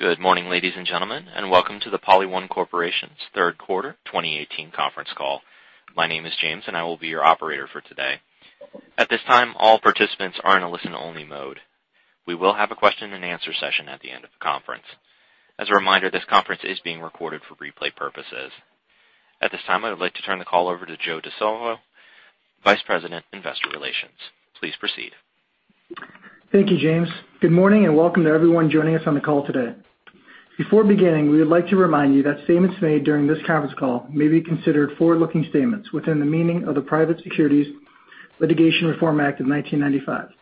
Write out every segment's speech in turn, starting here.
Good morning, ladies and gentlemen, and welcome to the PolyOne Corporation's third quarter 2018 conference call. My name is James, and I will be your operator for today. At this time, all participants are in a listen-only mode. We will have a question and answer session at the end of the conference. As a reminder, this conference is being recorded for replay purposes. At this time, I would like to turn the call over to Joe DiSalvo, vice president, investor relations. Please proceed. Thank you, James. Good morning, and welcome to everyone joining us on the call today. Before beginning, we would like to remind you that statements made during this conference call may be considered forward-looking statements within the meaning of the Private Securities Litigation Reform Act of 1995.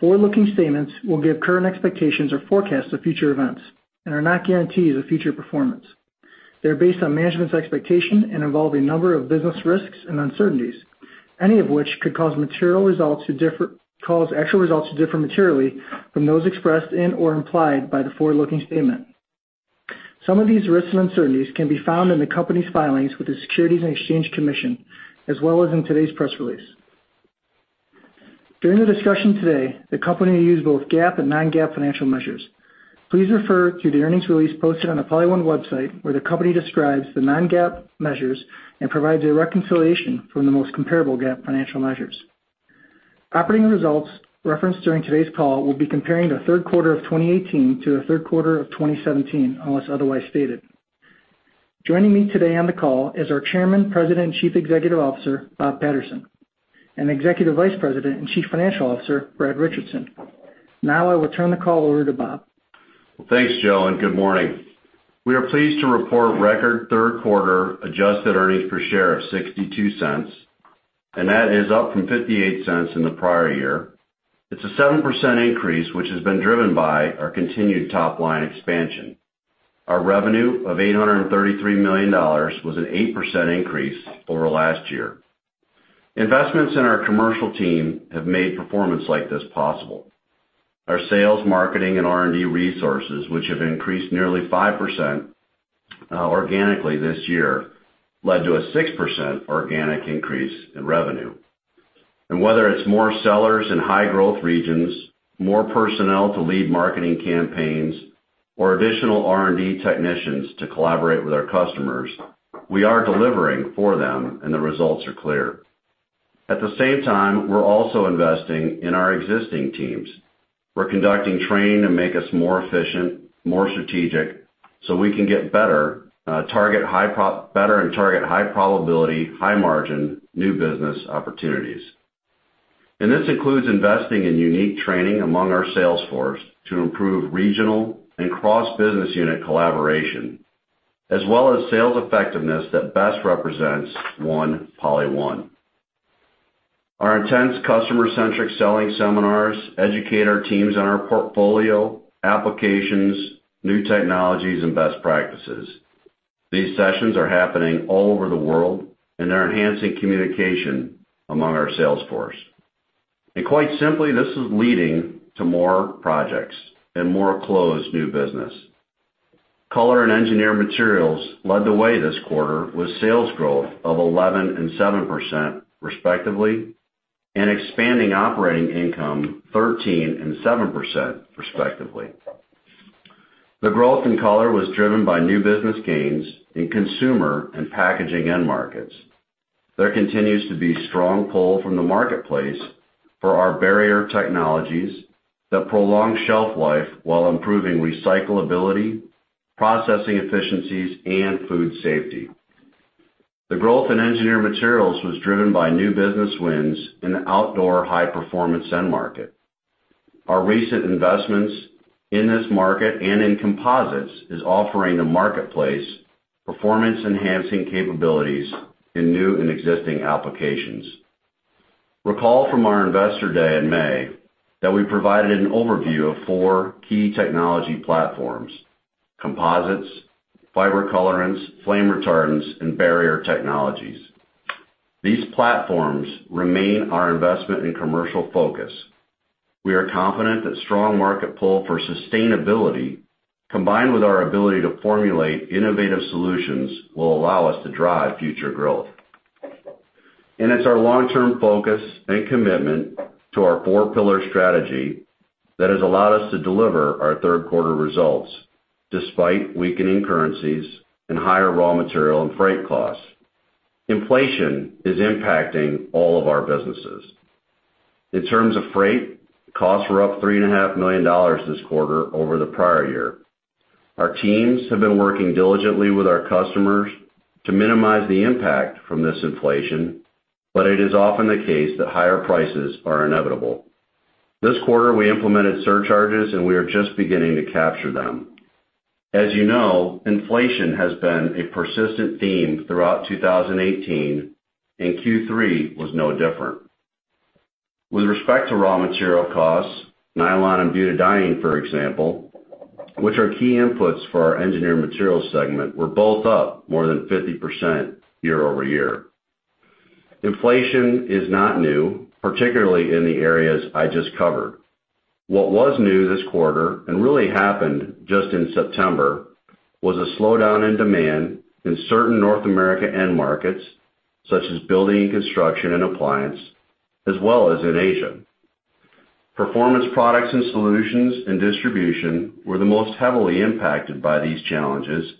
Forward-looking statements will give current expectations or forecasts of future events and are not guarantees of future performance. They are based on management's expectation and involve a number of business risks and uncertainties, any of which could cause actual results to differ materially from those expressed in or implied by the forward-looking statement. Some of these risks and uncertainties can be found in the company's filings with the Securities and Exchange Commission, as well as in today's press release. During the discussion today, the company will use both GAAP and non-GAAP financial measures. Please refer to the earnings release posted on the PolyOne website, where the company describes the non-GAAP measures and provides a reconciliation from the most comparable GAAP financial measures. Operating results referenced during today's call will be comparing the third quarter of 2018 to the third quarter of 2017, unless otherwise stated. Joining me today on the call is our Chairman, President, Chief Executive Officer, Bob Patterson, and Executive Vice President and Chief Financial Officer, Brad Richardson. Now I will turn the call over to Bob. Well, thanks, Joe, and good morning. We are pleased to report record third quarter adjusted earnings per share of $0.62, and that is up from $0.58 in the prior year. It's a 7% increase, which has been driven by our continued top-line expansion. Our revenue of $833 million was an 8% increase over last year. Investments in our commercial team have made performance like this possible. Our sales, marketing, and R&D resources, which have increased nearly 5% organically this year, led to a 6% organic increase in revenue. Whether it's more sellers in high growth regions, more personnel to lead marketing campaigns, or additional R&D technicians to collaborate with our customers, we are delivering for them, and the results are clear. At the same time, we're also investing in our existing teams. We're conducting training to make us more efficient, more strategic, so we can get better and target high probability, high margin, new business opportunities. This includes investing in unique training among our sales force to improve regional and cross-business unit collaboration, as well as sales effectiveness that best represents One PolyOne. Our intense customer-centric selling seminars educate our teams on our portfolio, applications, new technologies, and best practices. These sessions are happening all over the world, and they're enhancing communication among our sales force. Quite simply, this is leading to more projects and more closed new business. Color and Engineered Materials led the way this quarter with sales growth of 11% and 7% respectively, and expanding operating income 13% and 7% respectively. The growth in Color was driven by new business gains in consumer and packaging end markets. There continues to be strong pull from the marketplace for our barrier technologies that prolong shelf life while improving recyclability, processing efficiencies, and food safety. The growth in Engineered Materials was driven by new business wins in the outdoor high performance end market. Our recent investments in this market and in composites is offering the marketplace performance-enhancing capabilities in new and existing applications. Recall from our investor day in May that we provided an overview of four key technology platforms, composites, fiber colorants, flame retardants, and barrier technologies. These platforms remain our investment and commercial focus. We are confident that strong market pull for sustainability, combined with our ability to formulate innovative solutions, will allow us to drive future growth. It's our long-term focus and commitment to our four pillar strategy that has allowed us to deliver our third quarter results, despite weakening currencies and higher raw material and freight costs. Inflation is impacting all of our businesses. In terms of freight, costs were up $3.5 million this quarter over the prior year. Our teams have been working diligently with our customers to minimize the impact from this inflation, but it is often the case that higher prices are inevitable. This quarter, we implemented surcharges, and we are just beginning to capture them. As you know, inflation has been a persistent theme throughout 2018, and Q3 was no different. With respect to raw material costs, nylon and butadiene, for example, which are key inputs for our Engineered Materials segment, were both up more than 50% year-over-year. Inflation is not new, particularly in the areas I just covered. What was new this quarter, and really happened just in September, was a slowdown in demand in certain North America end markets, such as building and construction and appliance, as well as in Asia. Performance Products and Solutions and distribution were the most heavily impacted by these challenges,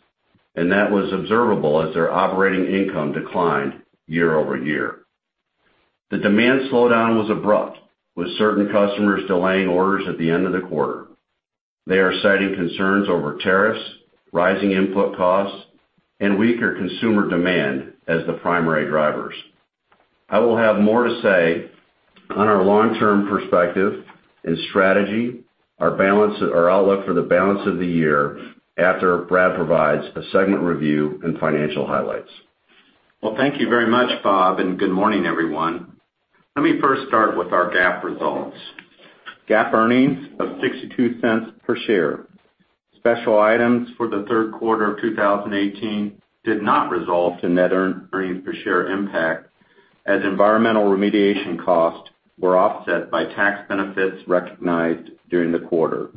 and that was observable as their operating income declined year-over-year. The demand slowdown was abrupt, with certain customers delaying orders at the end of the quarter. They are citing concerns over tariffs, rising input costs, and weaker consumer demand as the primary drivers. I will have more to say on our long-term perspective and strategy, our outlook for the balance of the year after Brad provides a segment review and financial highlights. Well, thank you very much, Bob, and good morning, everyone. Let me first start with our GAAP results. GAAP earnings of $0.62 per share. Special items for the third quarter of 2018 did not result in net earnings per share impact, as environmental remediation costs were offset by tax benefits recognized during the quarter.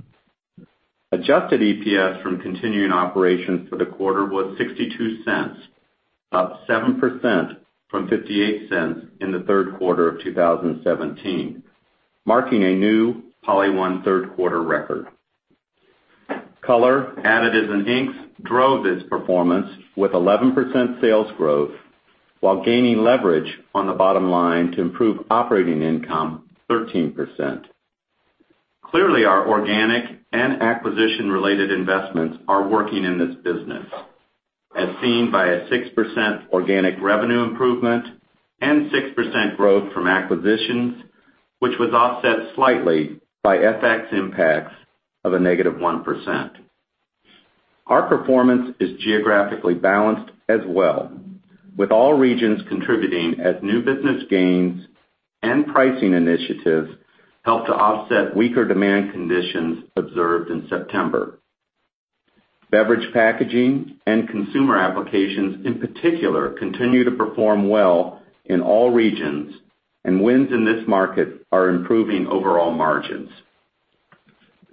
Adjusted EPS from continuing operations for the quarter was $0.62, up 7% from $0.58 in the third quarter of 2017, marking a new PolyOne third-quarter record. Color, Additives, and Inks drove this performance with 11% sales growth while gaining leverage on the bottom line to improve operating income 13%. Clearly, our organic and acquisition-related investments are working in this business, as seen by a 6% organic revenue improvement and 6% growth from acquisitions, which was offset slightly by FX impacts of a negative 1%. Our performance is geographically balanced as well, with all regions contributing as new business gains and pricing initiatives help to offset weaker demand conditions observed in September. Beverage packaging and consumer applications, in particular, continue to perform well in all regions, and wins in this market are improving overall margins.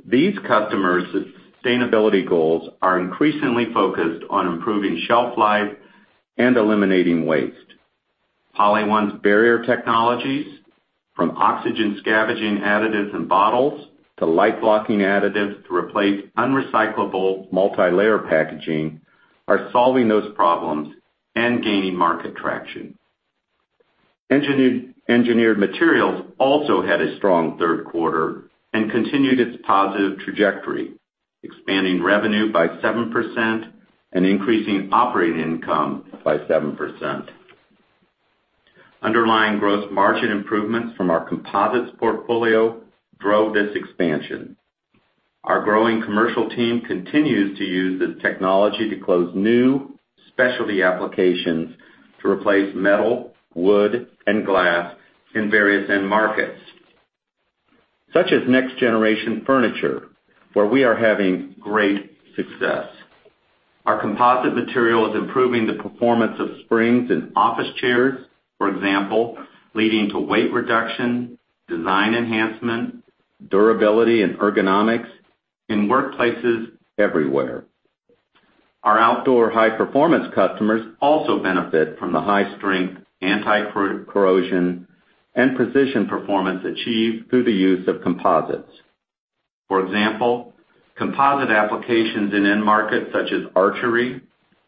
These customers' sustainability goals are increasingly focused on improving shelf life and eliminating waste. PolyOne's barrier technologies, from oxygen scavenging additives in bottles to light-blocking additives to replace unrecyclable multilayer packaging, are solving those problems and gaining market traction. Engineered Materials also had a strong third quarter and continued its positive trajectory, expanding revenue by 7% and increasing operating income by 7%. Underlying gross margin improvements from our composites portfolio drove this expansion. Our growing commercial team continues to use this technology to close new specialty applications to replace metal, wood, and glass in various end markets, such as next-generation furniture, where we are having great success. Our composite material is improving the performance of springs in office chairs, for example, leading to weight reduction, design enhancement, durability, and ergonomics in workplaces everywhere. Our outdoor high-performance customers also benefit from the high strength, anti-corrosion, and precision performance achieved through the use of composites. For example, composite applications in end markets such as archery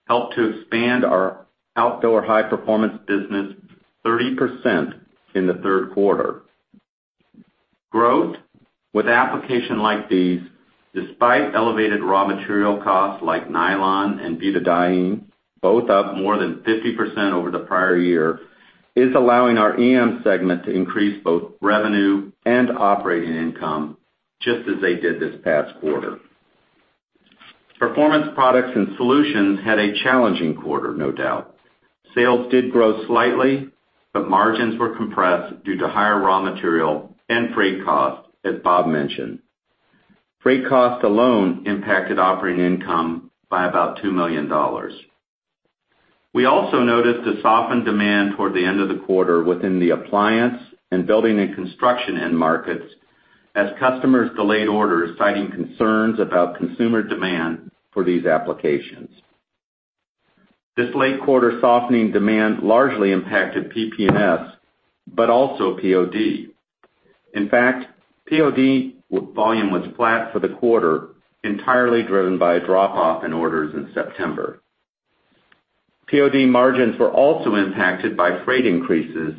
helped to expand our outdoor high-performance business 30% in the third quarter. Growth with applications like these, despite elevated raw material costs like nylon and butadiene, both up more than 50% over the prior year, is allowing our EM segment to increase both revenue and operating income just as they did this past quarter. Performance Products and Solutions had a challenging quarter, no doubt. Sales did grow slightly, but margins were compressed due to higher raw material and freight costs, as Bob mentioned. Freight costs alone impacted operating income by about $2 million. We also noticed a softened demand toward the end of the quarter within the appliance and building and construction end markets as customers delayed orders, citing concerns about consumer demand for these applications. This late quarter softening demand largely impacted PP&S, but also POD. In fact, POD volume was flat for the quarter, entirely driven by a drop-off in orders in September. POD margins were also impacted by freight increases,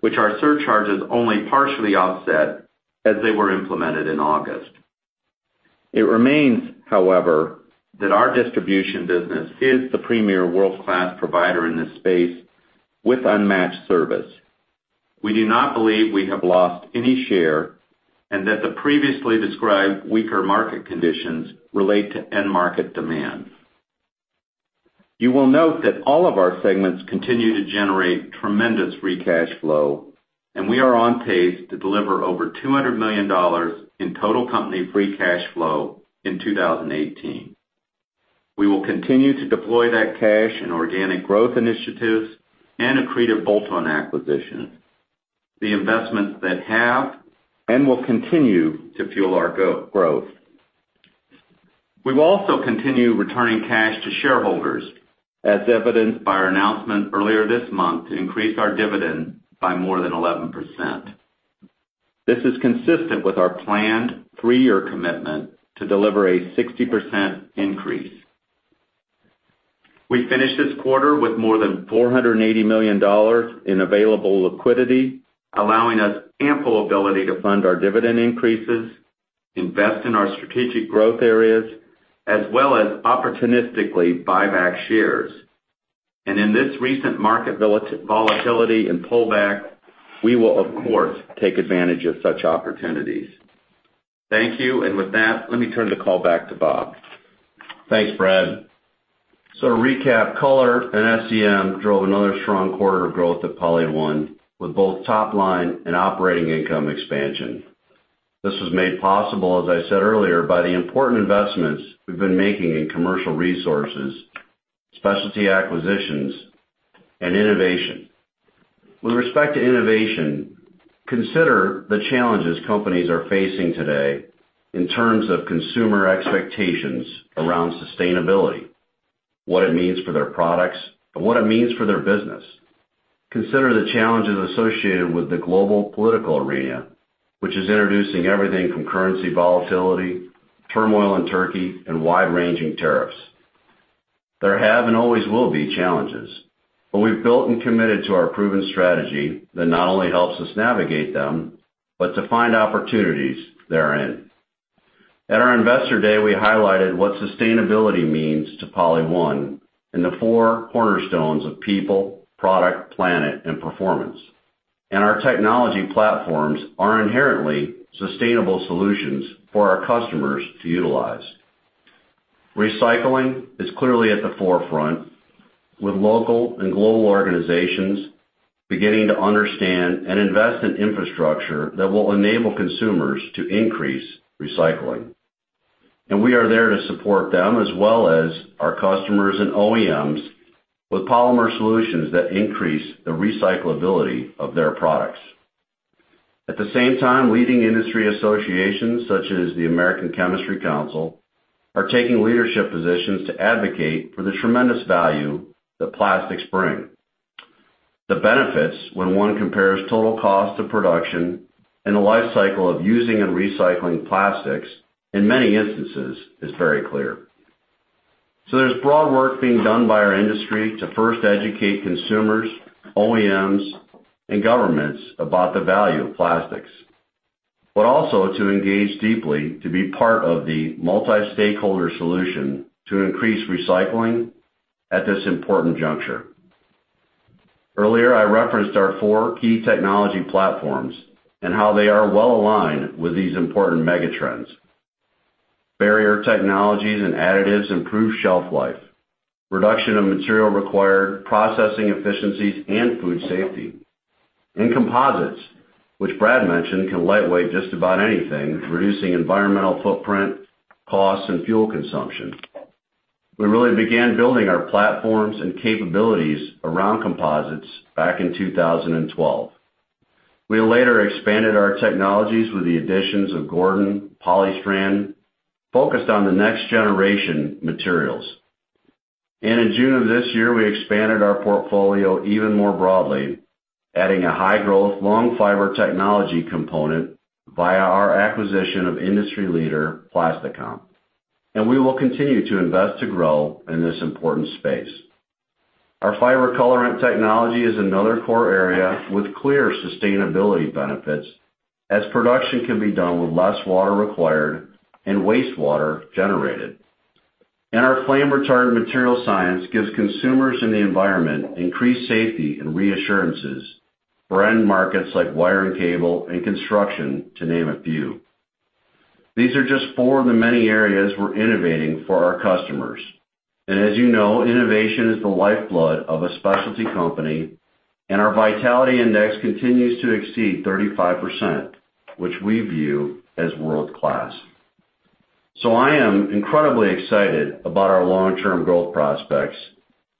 which our surcharges only partially offset as they were implemented in August. It remains, however, that our distribution business is the premier world-class provider in this space with unmatched service. We do not believe we have lost any share, and that the previously described weaker market conditions relate to end market demand. You will note that all of our segments continue to generate tremendous free cash flow, and we are on pace to deliver over $200 million in total company free cash flow in 2018. We will continue to deploy that cash in organic growth initiatives and accretive bolt-on acquisitions. The investments that have and will continue to fuel our growth. We will also continue returning cash to shareholders, as evidenced by our announcement earlier this month to increase our dividend by more than 11%. This is consistent with our planned three-year commitment to deliver a 60% increase. We finished this quarter with more than $480 million in available liquidity, allowing us ample ability to fund our dividend increases, invest in our strategic growth areas, as well as opportunistically buy back shares. In this recent market volatility and pullback, we will, of course, take advantage of such opportunities. Thank you. With that, let me turn the call back to Bob. Thanks, Brad. To recap, Color and SEM drove another strong quarter of growth at PolyOne with both top line and operating income expansion. This was made possible, as I said earlier, by the important investments we've been making in commercial resources, specialty acquisitions, and innovation. With respect to innovation, consider the challenges companies are facing today in terms of consumer expectations around sustainability, what it means for their products, and what it means for their business. Consider the challenges associated with the global political arena, which is introducing everything from currency volatility, turmoil in Turkey, and wide-ranging tariffs. There have and always will be challenges, we've built and committed to our proven strategy that not only helps us navigate them, but to find opportunities therein. At our Investor Day, we highlighted what sustainability means to PolyOne and the four cornerstones of people, product, planet, and performance, our technology platforms are inherently sustainable solutions for our customers to utilize. Recycling is clearly at the forefront, with local and global organizations beginning to understand and invest in infrastructure that will enable consumers to increase recycling. We are there to support them, as well as our customers and OEMs with polymer solutions that increase the recyclability of their products. At the same time, leading industry associations such as the American Chemistry Council are taking leadership positions to advocate for the tremendous value that plastics bring. The benefits when one compares total cost of production and the life cycle of using and recycling plastics, in many instances, is very clear. There's broad work being done by our industry to first educate consumers, OEMs, and governments about the value of plastics. Also to engage deeply to be part of the multi-stakeholder solution to increase recycling at this important juncture. Earlier, I referenced our four key technology platforms and how they are well aligned with these important mega trends. Barrier technologies and additives improve shelf life, reduction of material required, processing efficiencies, and food safety. Composites, which Brad mentioned, can lightweight just about anything, reducing environmental footprint, cost, and fuel consumption. We really began building our platforms and capabilities around composites back in 2012. We later expanded our technologies with the additions of Gordon, Polystrand, focused on the next generation materials. In June of this year, we expanded our portfolio even more broadly, adding a high growth, long fiber technology component via our acquisition of industry leader, PlastiComp. We will continue to invest to grow in this important space. Our fiber colorant technology is another core area with clear sustainability benefits, as production can be done with less water required and wastewater generated. Our flame retardant material science gives consumers and the environment increased safety and reassurances for end markets like wire and cable and construction, to name a few. These are just four of the many areas we're innovating for our customers. As you know, innovation is the lifeblood of a specialty company, and our vitality index continues to exceed 35%, which we view as world-class. I am incredibly excited about our long-term growth prospects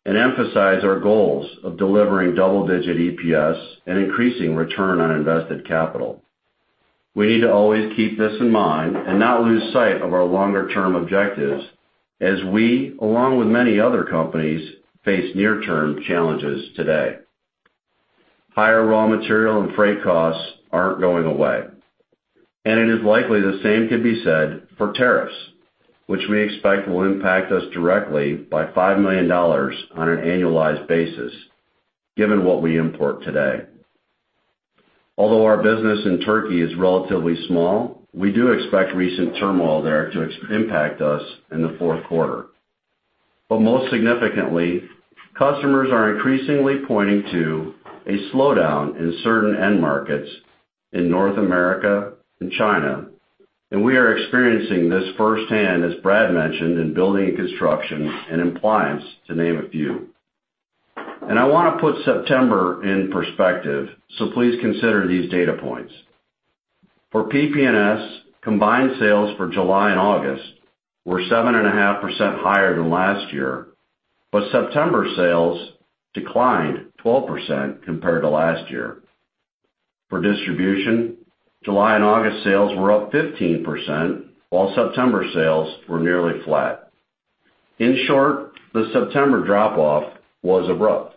and emphasize our goals of delivering double-digit EPS and increasing return on invested capital. We need to always keep this in mind and not lose sight of our longer-term objectives as we, along with many other companies, face near-term challenges today. Higher raw material and freight costs aren't going away. It is likely the same could be said for tariffs, which we expect will impact us directly by $5 million on an annualized basis, given what we import today. Although our business in Turkey is relatively small, we do expect recent turmoil there to impact us in the fourth quarter. Most significantly, customers are increasingly pointing to a slowdown in certain end markets in North America and China, and we are experiencing this firsthand, as Brad mentioned, in building and construction and in appliance, to name a few. I want to put September in perspective, so please consider these data points. For PP&S, combined sales for July and August were 7.5% higher than last year, but September sales declined 12% compared to last year. For distribution, July and August sales were up 15%, while September sales were nearly flat. In short, the September drop-off was abrupt.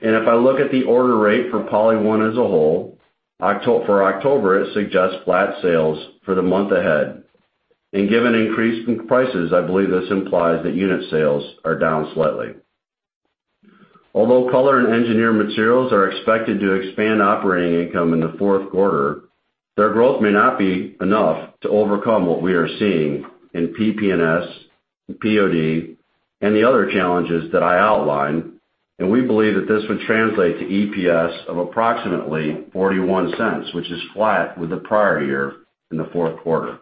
If I look at the order rate for PolyOne as a whole, for October, it suggests flat sales for the month ahead. Given increase in prices, I believe this implies that unit sales are down slightly. Although Color and Engineered Materials are expected to expand operating income in the fourth quarter, their growth may not be enough to overcome what we are seeing in PP&S, POD, and the other challenges that I outlined, and we believe that this would translate to EPS of approximately $0.41, which is flat with the prior year in the fourth quarter.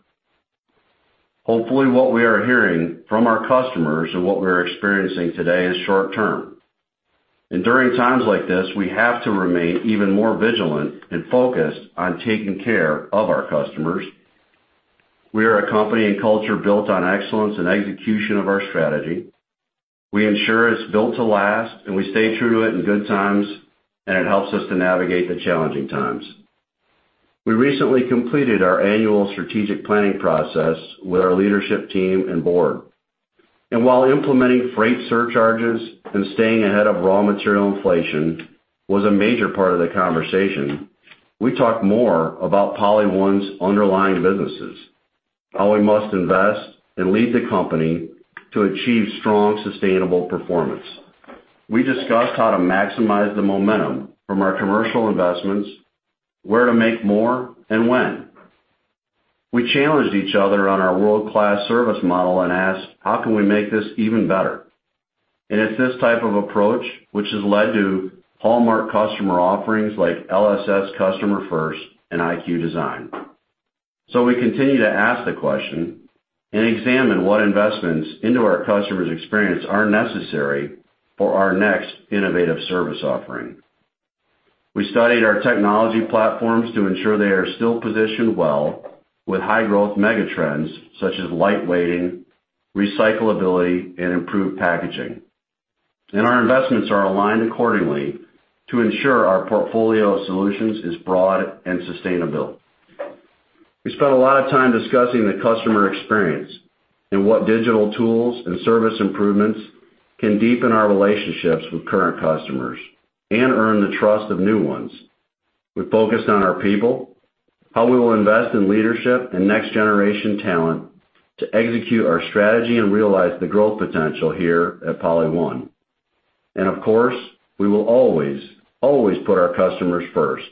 Hopefully, what we are hearing from our customers and what we're experiencing today is short-term. During times like this, we have to remain even more vigilant and focused on taking care of our customers. We are a company and culture built on excellence and execution of our strategy. We ensure it's built to last, and we stay true to it in good times, and it helps us to navigate the challenging times. We recently completed our annual strategic planning process with our leadership team and board. While implementing freight surcharges and staying ahead of raw material inflation was a major part of the conversation, we talked more about PolyOne's underlying businesses, how we must invest and lead the company to achieve strong, sustainable performance. We discussed how to maximize the momentum from our commercial investments, where to make more, and when. We challenged each other on our world-class service model and asked, "How can we make this even better?" It's this type of approach which has led to hallmark customer offerings like LSS Customer First and IQ Design. We continue to ask the question and examine what investments into our customer's experience are necessary for our next innovative service offering. We studied our technology platforms to ensure they are still positioned well with high-growth mega trends such as light weighting, recyclability, and improved packaging. Our investments are aligned accordingly to ensure our portfolio of solutions is broad and sustainable. We spent a lot of time discussing the customer experience and what digital tools and service improvements can deepen our relationships with current customers and earn the trust of new ones. We focused on our people, how we will invest in leadership and next-generation talent to execute our strategy and realize the growth potential here at PolyOne. Of course, we will always put our customers first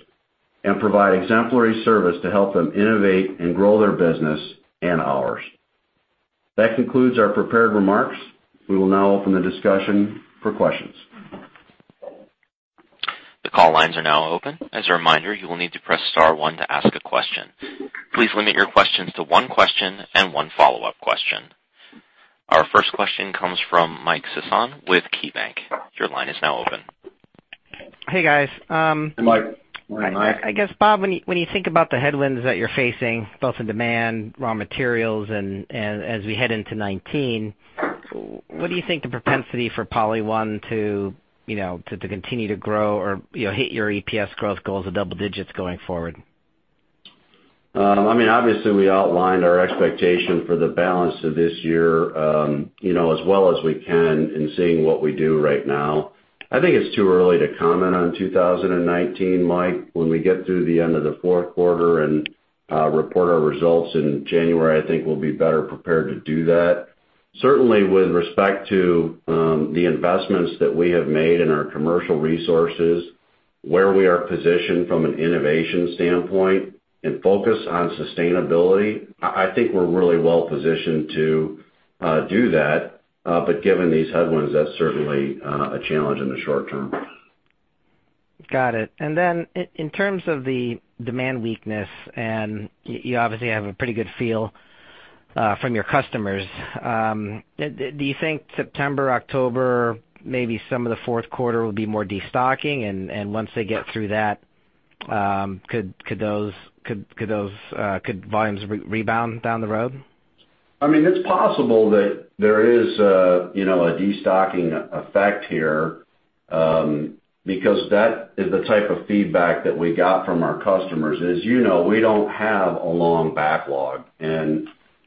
and provide exemplary service to help them innovate and grow their business and ours. That concludes our prepared remarks. We will now open the discussion for questions. The call lines are now open. As a reminder, you will need to press star one to ask a question. Please limit your questions to one question and one follow-up question. Our first question comes from Michael Sison with KeyBank. Your line is now open. Hey, guys. Hey, Mike. Morning, Mike. I guess, Bob, when you think about the headwinds that you're facing, both in demand, raw materials, and as we head into 2019, what do you think the propensity for PolyOne to continue to grow or hit your EPS growth goals of double digits going forward? We outlined our expectation for the balance of this year, as well as we can in seeing what we do right now. I think it's too early to comment on 2019, Mike. When we get through the end of the fourth quarter and report our results in January, I think we'll be better prepared to do that. Certainly, with respect to the investments that we have made in our commercial resources, where we are positioned from an innovation standpoint and focus on sustainability, I think we're really well-positioned to do that. Given these headwinds, that's certainly a challenge in the short term. Got it. In terms of the demand weakness, you obviously have a pretty good feel from your customers, do you think September, October, maybe some of the fourth quarter will be more destocking? Once they get through that, could volumes rebound down the road? It's possible that there is a destocking effect here, because that is the type of feedback that we got from our customers. As you know, we don't have a long backlog,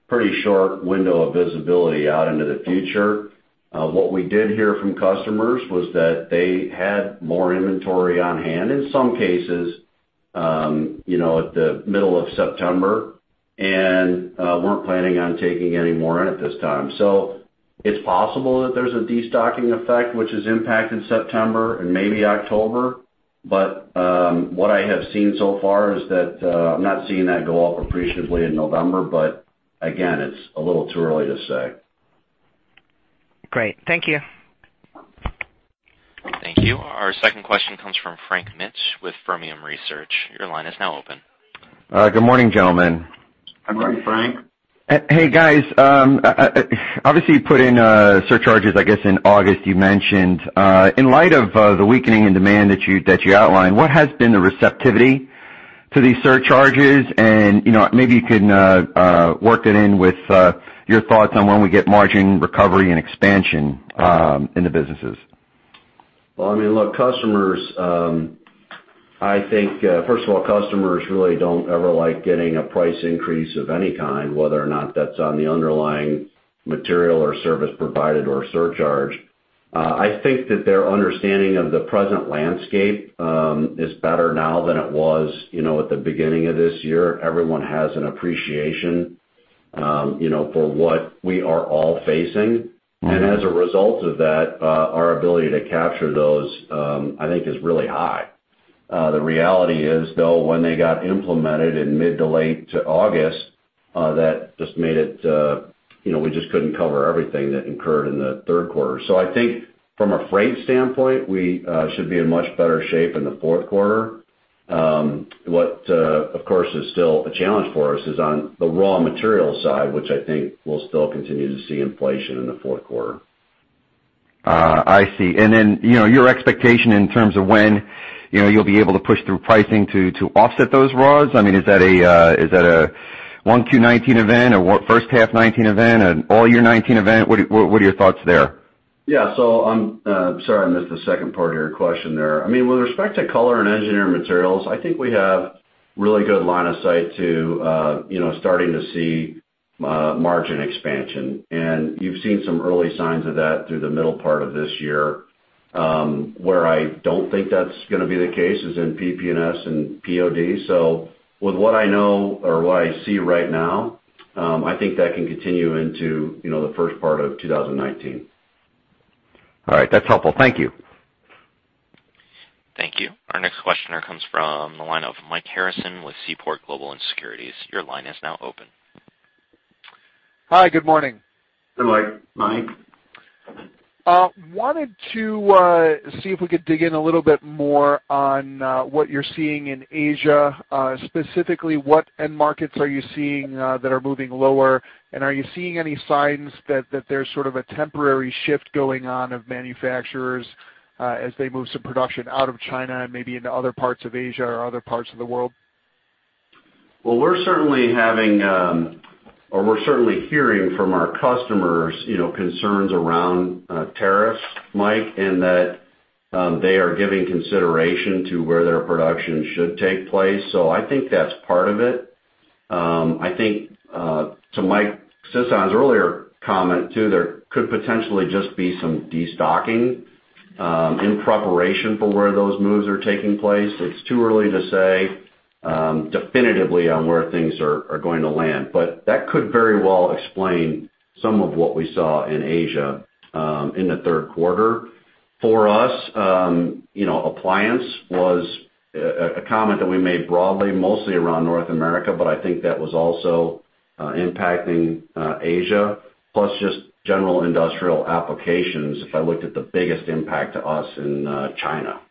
pretty short window of visibility out into the future. What we did hear from customers was that they had more inventory on hand, in some cases at the middle of September, weren't planning on taking any more in at this time. It's possible that there's a destocking effect which has impacted September and maybe October. What I have seen so far is that I'm not seeing that go up appreciatively in November. Again, it's a little too early to say. Great. Thank you. Thank you. Our second question comes from Frank Mitsch with Fermium Research. Your line is now open. Good morning, gentlemen. Good morning, Frank. Hey, guys. Obviously, you put in surcharges, I guess, in August you mentioned. In light of the weakening in demand that you outlined, what has been the receptivity to these surcharges? Maybe you can work that in with your thoughts on when we get margin recovery and expansion in the businesses. Well, I mean, look, customers, I think, first of all, customers really don't ever like getting a price increase of any kind, whether or not that's on the underlying material or service provided or a surcharge. I think that their understanding of the present landscape is better now than it was at the beginning of this year. Everyone has an appreciation for what we are all facing. As a result of that, our ability to capture those, I think, is really high. The reality is, though, when they got implemented in mid to late to August, we just couldn't cover everything that incurred in the third quarter. I think from a freight standpoint, we should be in much better shape in the fourth quarter. What, of course, is still a challenge for us is on the raw material side, which I think we'll still continue to see inflation in the fourth quarter. I see. Then, your expectation in terms of when you'll be able to push through pricing to offset those raws. Is that a 1Q '19 event or what? First half '19 event? An all year '19 event? What are your thoughts there? Yeah. I'm sorry, I missed the second part of your question there. I mean, with respect to Color and Engineered Materials, I think we have really good line of sight to starting to see margin expansion. You've seen some early signs of that through the middle part of this year. Where I don't think that's going to be the case is in PP&S and POD. With what I know or what I see right now, I think that can continue into the first part of 2019. All right. That's helpful. Thank you. Thank you. Our next questioner comes from the line of Mike Harrison with Seaport Global Securities. Your line is now open. Hi. Good morning. Good morning, Mike. Wanted to see if we could dig in a little bit more on what you're seeing in Asia. Specifically, what end markets are you seeing that are moving lower, and are you seeing any signs that there's sort of a temporary shift going on of manufacturers as they move some production out of China and maybe into other parts of Asia or other parts of the world? We're certainly having, or we're certainly hearing from our customers concerns around tariffs, Mike, and that they are giving consideration to where their production should take place. I think that's part of it. I think, to Michael Sison's earlier comment, too, there could potentially just be some de-stocking in preparation for where those moves are taking place. It's too early to say definitively on where things are going to land. That could very well explain some of what we saw in Asia in the third quarter. For us, appliance was a comment that we made broadly, mostly around North America, but I think that was also impacting Asia. Plus just general industrial applications if I looked at the biggest impact to us in China.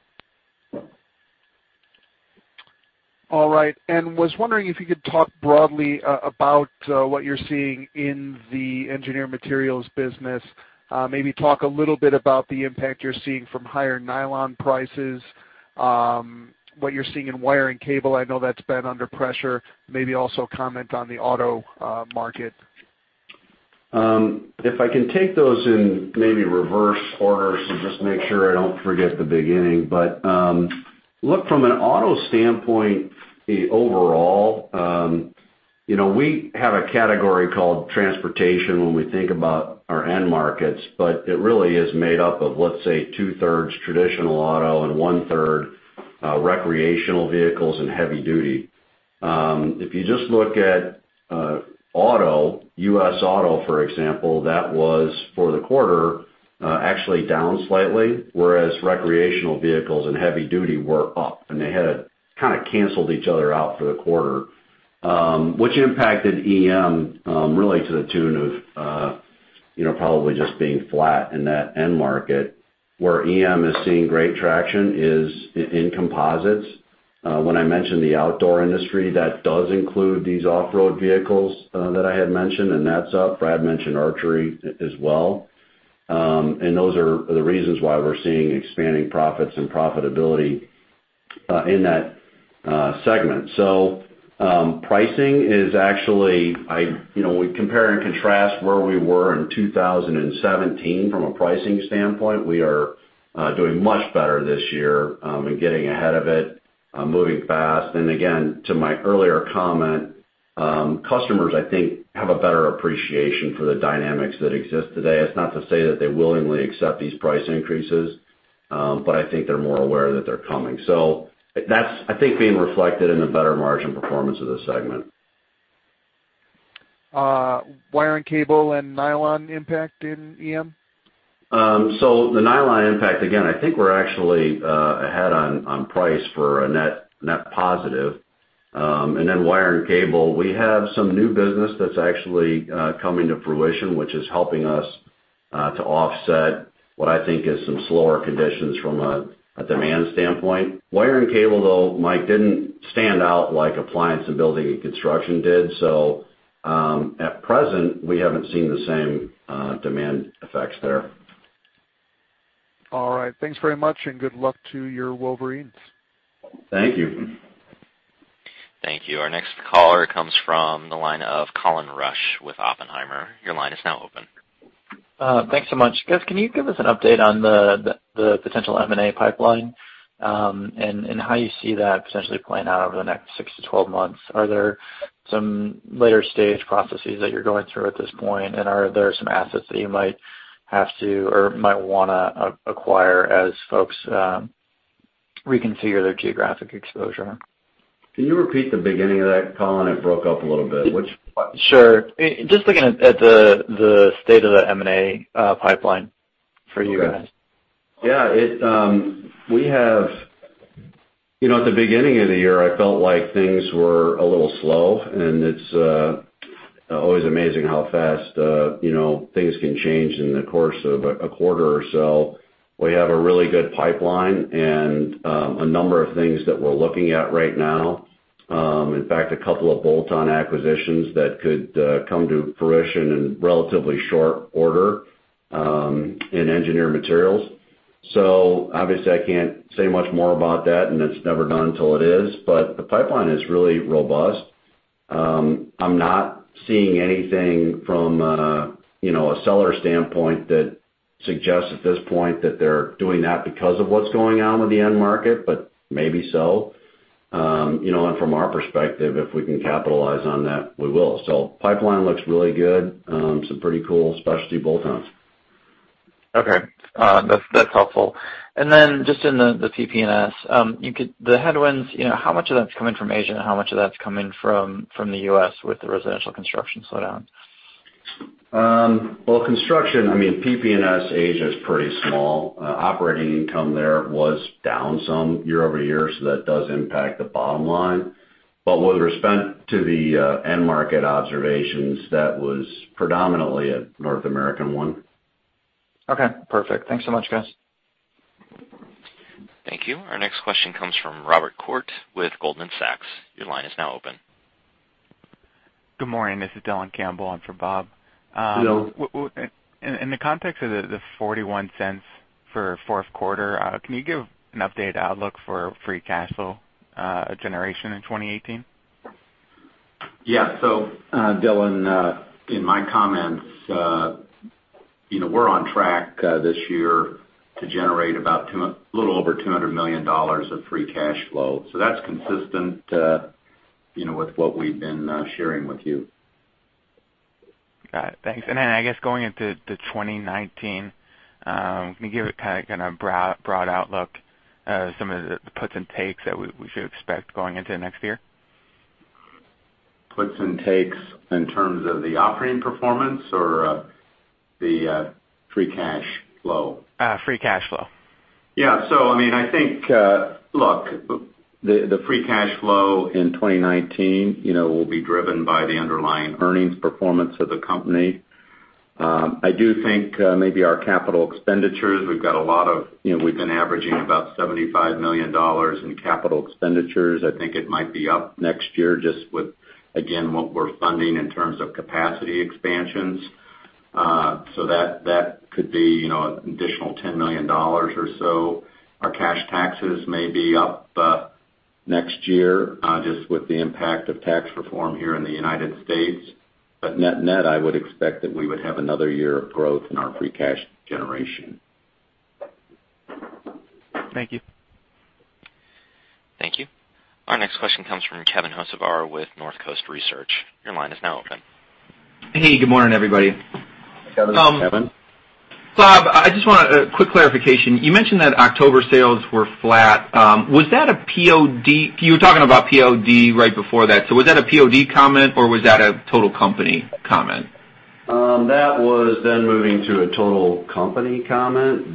All right. Was wondering if you could talk broadly about what you're seeing in the Engineered Materials business. Maybe talk a little bit about the impact you're seeing from higher nylon prices, what you're seeing in wire and cable. I know that's been under pressure. Maybe also comment on the auto market. If I can take those in maybe reverse order, so just make sure I don't forget the beginning. Look, from an auto standpoint overall, we have a category called transportation when we think about our end markets, but it really is made up of, let's say, two-thirds traditional auto and one-third recreational vehicles and heavy duty. If you just look at auto, U.S. auto, for example, that was, for the quarter, actually down slightly, whereas recreational vehicles and heavy duty were up. They had kind of canceled each other out for the quarter, which impacted EM really to the tune of probably just being flat in that end market. Where EM is seeing great traction is in composites. When I mentioned the outdoor industry, that does include these off-road vehicles that I had mentioned, and that's up. Brad mentioned archery as well. Those are the reasons why we're seeing expanding profits and profitability in that segment. Pricing is actually, we compare and contrast where we were in 2017 from a pricing standpoint. We are doing much better this year in getting ahead of it, moving fast. Again, to my earlier comment, customers, I think, have a better appreciation for the dynamics that exist today. It's not to say that they willingly accept these price increases, but I think they're more aware that they're coming. That's, I think, being reflected in the better margin performance of this segment. Wire and cable and nylon impact in EM? The nylon impact, again, I think we're actually ahead on price for a net positive. Wire and cable, we have some new business that's actually coming to fruition, which is helping us to offset what I think is some slower conditions from a demand standpoint. Wire and cable, though, Mike, didn't stand out like appliance and building and construction did. At present, we haven't seen the same demand effects there. All right. Thanks very much, good luck to your Wolverines. Thank you. Thank you. Our next caller comes from the line of Colin Rusch with Oppenheimer. Your line is now open. Thanks so much. Guys, can you give us an update on the potential M&A pipeline, how you see that potentially playing out over the next 6-12 months? Are there some later-stage processes that you're going through at this point, are there some assets that you might have to or might want to acquire as folks reconfigure their geographic exposure? Can you repeat the beginning of that, Colin? It broke up a little bit. Which part? Sure. Just looking at the state of the M&A pipeline for you guys. Okay. Yeah. At the beginning of the year, I felt like things were a little slow, and it's always amazing how fast things can change in the course of a quarter or so. We have a really good pipeline and a number of things that we're looking at right now. In fact, a couple of bolt-on acquisitions that could come to fruition in relatively short order in engineered materials. Obviously, I can't say much more about that, and it's never done until it is, but the pipeline is really robust. I'm not seeing anything from a seller standpoint that suggests at this point that they're doing that because of what's going on with the end market, but maybe so. From our perspective, if we can capitalize on that, we will. The pipeline looks really good. Some pretty cool specialty bolt-ons. Okay. That's helpful. Just in the PP&S. The headwinds, how much of that's coming from Asia and how much of that's coming from the U.S. with the residential construction slowdown? Well, construction, PP&S Asia is pretty small. Operating income there was down some year-over-year, so that does impact the bottom line. With respect to the end market observations, that was predominantly a North American one. Okay, perfect. Thanks so much, Gus. Thank you. Our next question comes from Robert Koort with Goldman Sachs. Your line is now open. Good morning. This is Dylan Campbell on for Bob. Hello. In the context of the $0.41 for fourth quarter, can you give an update outlook for free cash flow generation in 2018? Yeah. Dylan, in my comments, we're on track this year to generate about a little over $200 million of free cash flow. That's consistent with what we've been sharing with you. Got it. Thanks. I guess going into 2019, can you give a kind of broad outlook of some of the puts and takes that we should expect going into next year? Puts and takes in terms of the operating performance or the free cash flow? Free cash flow. I think, look, the free cash flow in 2019 will be driven by the underlying earnings performance of the company. I do think maybe our capital expenditures, we've been averaging about $75 million in capital expenditures. I think it might be up next year just with, again, what we're funding in terms of capacity expansions. That could be an additional $10 million or so. Our cash taxes may be up next year, just with the impact of tax reform here in the United States. Net-net, I would expect that we would have another year of growth in our free cash generation. Thank you. Thank you. Our next question comes from Kevin Hocevar with Northcoast Research. Your line is now open. Hey, good morning, everybody. Hi, Kevin. Kevin. Bob, I just want a quick clarification. You mentioned that October sales were flat. You were talking about POD right before that. Was that a POD comment or was that a total company comment? That was then moving to a total company comment,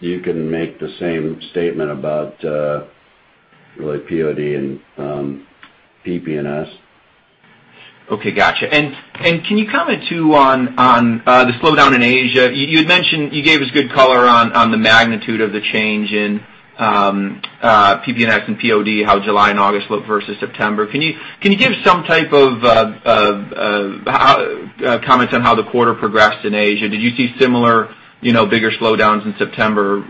you can make the same statement about really POD and PP&S. Okay, got you. Can you comment, too, on the slowdown in Asia? You gave us good color on the magnitude of the change in PP&S and POD, how July and August looked versus September. Can you give some type of comment on how the quarter progressed in Asia? Did you see similar bigger slowdowns in September?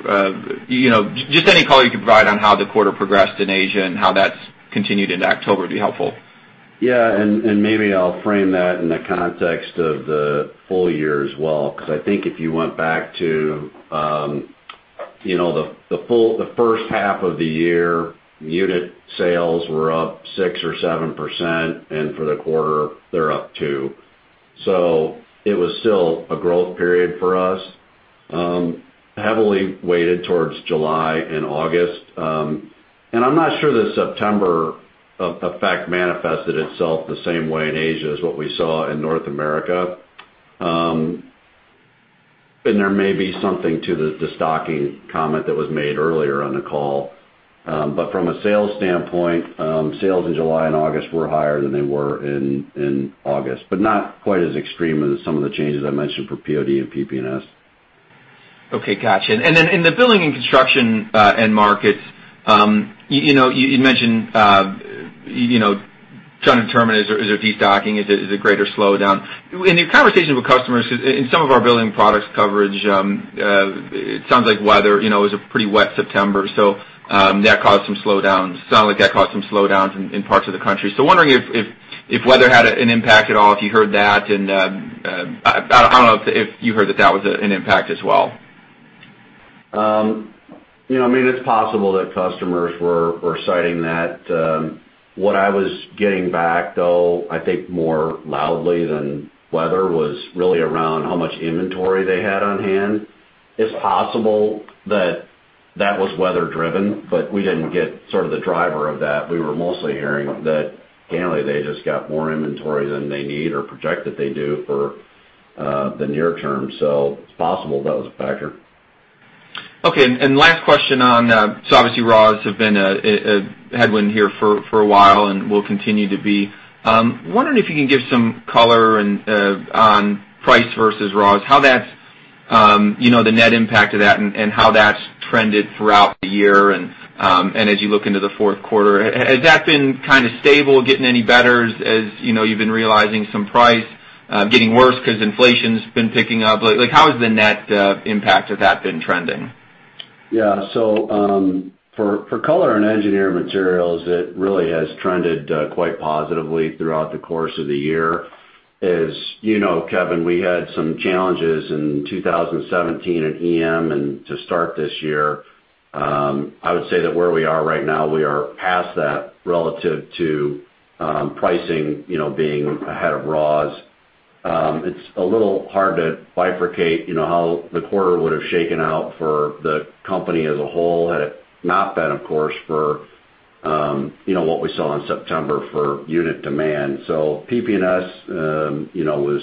Just any color you could provide on how the quarter progressed in Asia and how that's continued into October would be helpful. Yeah, maybe I'll frame that in the context of the full year as well, because I think if you went back to the first half of the year, unit sales were up 6% or 7%, and for the quarter, they're up 2%. It was still a growth period for us heavily weighted towards July and August. I'm not sure the September effect manifested itself the same way in Asia as what we saw in North America. There may be something to the stocking comment that was made earlier on the call. From a sales standpoint, sales in July and August were higher than they were in August, but not quite as extreme as some of the changes I mentioned for POD and PP&S. Okay. Got you. Then in the building and construction end markets, you mentioned trying to determine is there destocking, is it greater slowdown? In your conversation with customers, in some of our building products coverage, it sounds like weather. It was a pretty wet September, that caused some slowdowns. Sound like that caused some slowdowns in parts of the country. Wondering if weather had an impact at all, if you heard that, and I don't know if you heard that was an impact as well. It's possible that customers were citing that. What I was getting back, though, I think more loudly than weather, was really around how much inventory they had on hand. It's possible that that was weather driven, but we didn't get the driver of that. We were mostly hearing that, candidly, they just got more inventory than they need or project that they do for the near term. It's possible that was a factor. Okay, last question on, obviously, raws have been a headwind here for a while, and will continue to be. Wondering if you can give some color on price versus raws, the net impact of that and how that's trended throughout the year and as you look into the fourth quarter. Has that been stable, getting any better as you've been realizing some price getting worse because inflation's been picking up? How has the net impact of that been trending? For Color and Engineered Materials, it really has trended quite positively throughout the course of the year. As you know, Kevin, we had some challenges in 2017 at EM, and to start this year. I would say that where we are right now, we are past that relative to pricing being ahead of raws. It's a little hard to bifurcate how the quarter would've shaken out for the company as a whole had it not been, of course, for what we saw in September for unit demand. PP&S was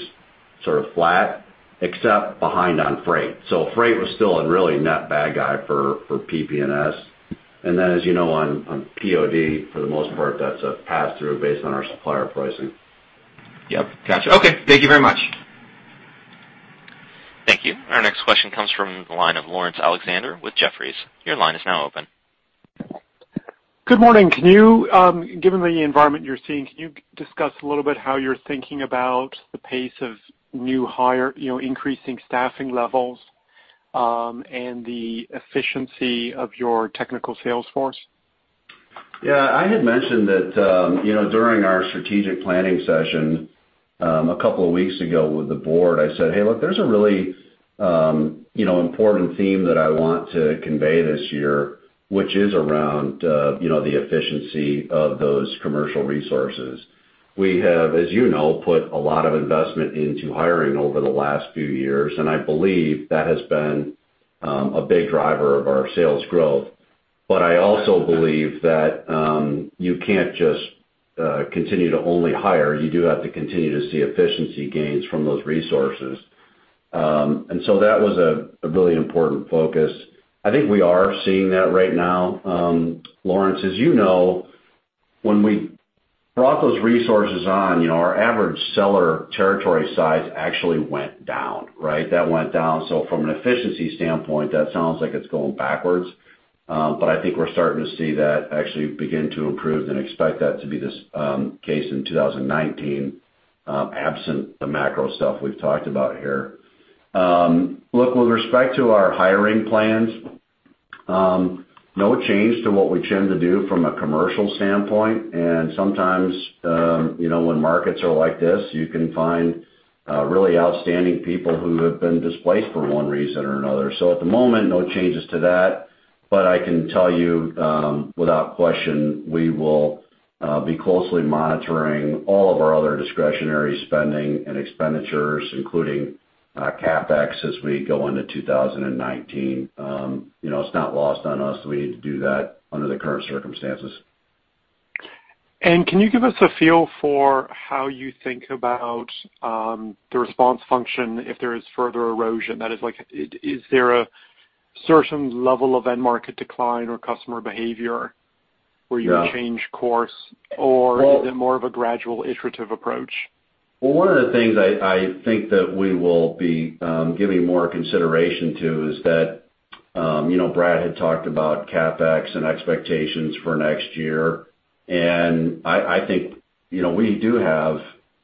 sort of flat except behind on freight. Freight was still a really net bad guy for PP&S. As you know, on POD, for the most part, that's a pass-through based on our supplier pricing. Yep. Got you. Thank you very much. Thank you. Our next question comes from the line of Laurence Alexander with Jefferies. Your line is now open. Good morning. Given the environment you're seeing, can you discuss a little bit how you're thinking about the pace of new hire, increasing staffing levels, and the efficiency of your technical sales force? Yeah, I had mentioned that during our strategic planning session, a couple of weeks ago with the board, I said, "Hey, look, there's a really important theme that I want to convey this year," which is around the efficiency of those commercial resources. We have, as you know, put a lot of investment into hiring over the last few years, and I believe that has been a big driver of our sales growth. I also believe that you can't just continue to only hire. You do have to continue to see efficiency gains from those resources. That was a really important focus. I think we are seeing that right now. Laurence, as you know, when we brought those resources on, our average seller territory size actually went down, right? That went down. From an efficiency standpoint, that sounds like it's going backwards. I think we're starting to see that actually begin to improve and expect that to be the case in 2019, absent the macro stuff we've talked about here. Look, with respect to our hiring plans, no change to what we tend to do from a commercial standpoint. Sometimes, when markets are like this, you can find really outstanding people who have been displaced for one reason or another. At the moment, no changes to that. I can tell you, without question, we will be closely monitoring all of our other discretionary spending and expenditures, including CapEx, as we go into 2019. It's not lost on us that we need to do that under the current circumstances. Can you give us a feel for how you think about the response function if there is further erosion? That is like, is there a certain level of end market decline or customer behavior where you change course? Is it more of a gradual iterative approach? Well, one of the things I think that we will be giving more consideration to is that Brad had talked about CapEx and expectations for next year. I think we do have,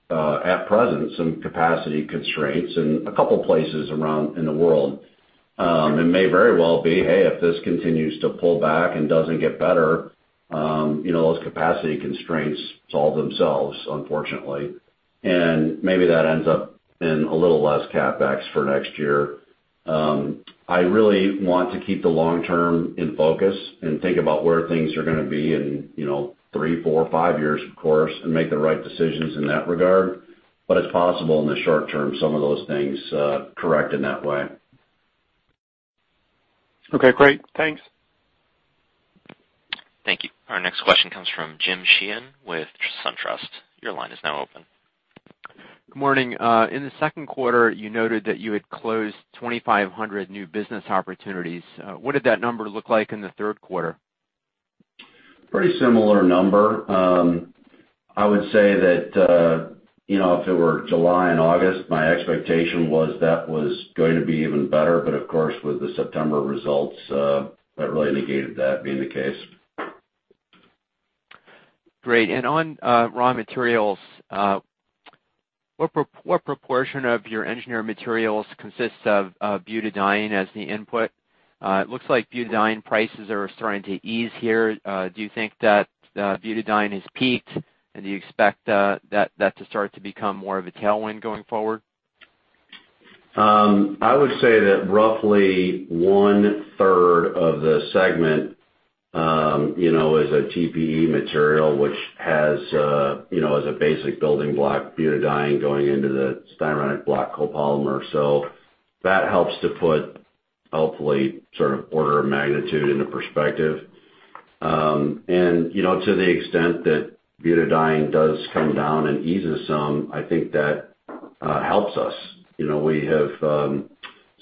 at present, some capacity constraints in a couple of places around in the world. It may very well be, hey, if this continues to pull back and doesn't get better, those capacity constraints solve themselves, unfortunately. Maybe that ends up in a little less CapEx for next year. I really want to keep the long term in focus and think about where things are going to be in three, four, five years, of course, and make the right decisions in that regard. It's possible in the short term, some of those things correct in that way. Okay, great. Thanks. Thank you. Our next question comes from Jim Sheehan with SunTrust. Your line is now open. Good morning. In the second quarter, you noted that you had closed 2,500 new business opportunities. What did that number look like in the third quarter? Pretty similar number. I would say that, if it were July and August, my expectation was that was going to be even better, of course, with the September results, that really negated that being the case. On raw materials, what proportion of your engineered materials consists of butadiene as the input? It looks like butadiene prices are starting to ease here. Do you think that butadiene has peaked, and do you expect that to start to become more of a tailwind going forward? I would say that roughly one third of the segment is a TPE material, which has as a basic building block, butadiene going into the styrene-block copolymer. That helps to put hopefully sort of order of magnitude into perspective. To the extent that butadiene does come down and eases some, I think that helps us. We have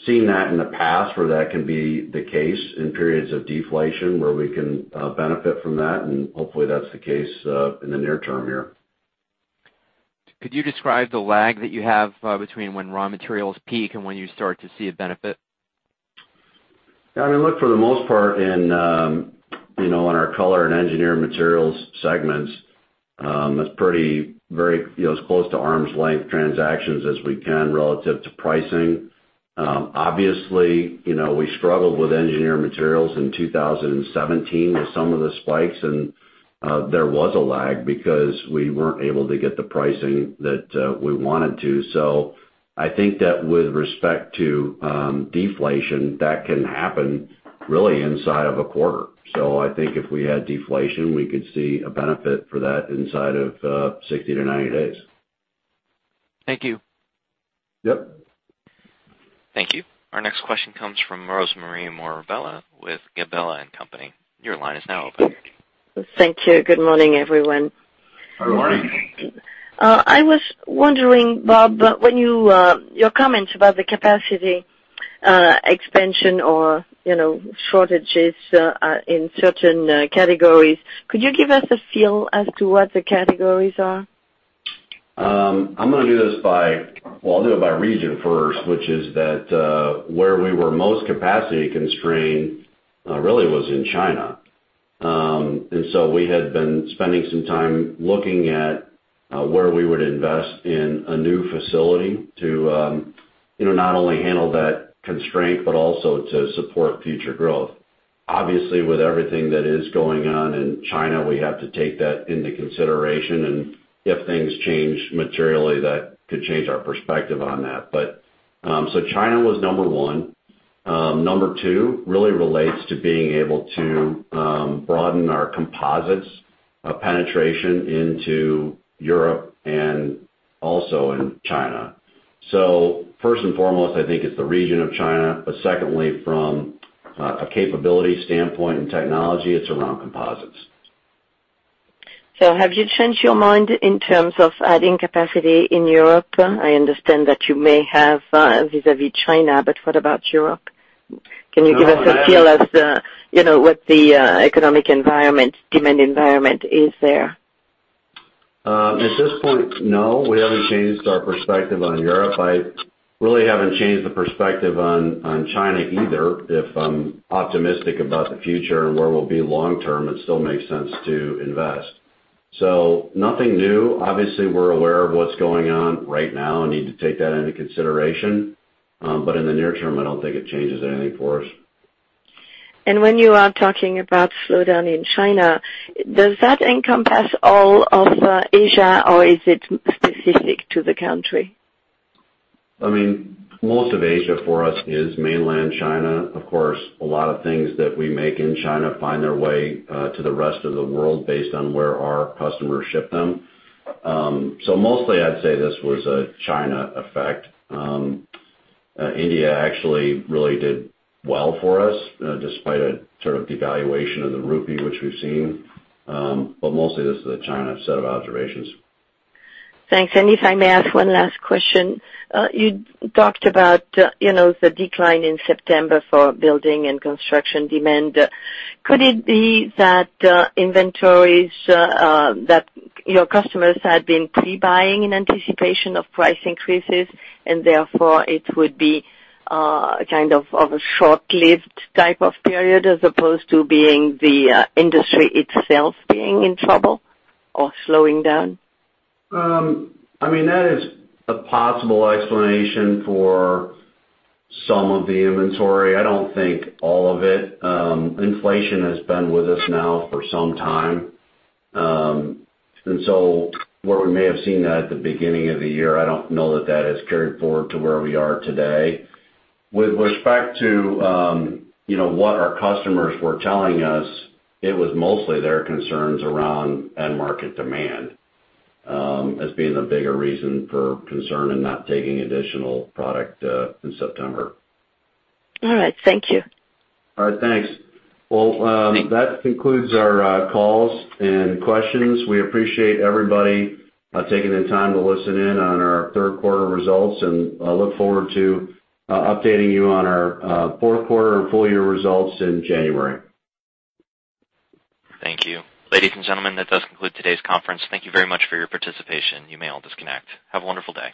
seen that in the past where that can be the case in periods of deflation, where we can benefit from that, and hopefully, that's the case in the near term here. Could you describe the lag that you have between when raw materials peak and when you start to see a benefit? I mean, look, for the most part in our Color and Engineered Materials segments, it's pretty very close to arm's length transactions as we can relative to pricing. Obviously, we struggled with Engineered Materials in 2017 with some of the spikes, there was a lag because we weren't able to get the pricing that we wanted to. I think that with respect to deflation, that can happen really inside of a quarter. I think if we had deflation, we could see a benefit for that inside of 60 to 90 days. Thank you. Yep. Thank you. Our next question comes from Rosemarie Morbelli with Gabelli & Company. Your line is now open. Thank you. Good morning, everyone. Good morning. I was wondering, Bob, your comments about the capacity expansion or shortages in certain categories, could you give us a feel as to what the categories are? I'm going to do this by region first, which is that where we were most capacity constrained really was in China. We had been spending some time looking at where we would invest in a new facility to not only handle that constraint, but also to support future growth. Obviously, with everything that is going on in China, we have to take that into consideration, and if things change materially, that could change our perspective on that. China was number 1. Number 2 really relates to being able to broaden our composites penetration into Europe and also in China. First and foremost, I think it's the region of China. Secondly, from a capability standpoint and technology, it's around composites. Have you changed your mind in terms of adding capacity in Europe? I understand that you may have vis-à-vis China, but what about Europe? Can you give us a feel of what the economic environment, demand environment is there? At this point, no, we haven't changed our perspective on Europe. I really haven't changed the perspective on China either. If I'm optimistic about the future and where we'll be long term, it still makes sense to invest. Nothing new. Obviously, we're aware of what's going on right now and need to take that into consideration. In the near term, I don't think it changes anything for us. When you are talking about slowdown in China, does that encompass all of Asia or is it specific to the country? I mean, most of Asia for us is mainland China. Of course, a lot of things that we make in China find their way to the rest of the world based on where our customers ship them. Mostly, I'd say this was a China effect. India actually really did well for us, despite a sort of devaluation of the rupee, which we've seen. Mostly this is a China set of observations. Thanks. If I may ask one last question. You talked about the decline in September for building and construction demand. Could it be that inventories that your customers had been pre-buying in anticipation of price increases, and therefore it would be kind of a short-lived type of period as opposed to being the industry itself being in trouble or slowing down? That is a possible explanation for some of the inventory. I don't think all of it. Inflation has been with us now for some time. Where we may have seen that at the beginning of the year, I don't know that that has carried forward to where we are today. With respect to what our customers were telling us, it was mostly their concerns around end market demand as being the bigger reason for concern and not taking additional product in September. All right. Thank you. All right. Thanks. Well, that concludes our calls and questions. We appreciate everybody taking the time to listen in on our third-quarter results, and I look forward to updating you on our fourth quarter and full year results in January. Thank you. Ladies and gentlemen, that does conclude today's conference. Thank you very much for your participation. You may all disconnect. Have a wonderful day.